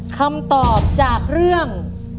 คำตอบจากเรื่อง